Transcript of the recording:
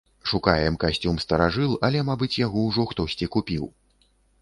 Шукаем касцюм-старажыл, але, мабыць, яго ўжо хтосьці купіў.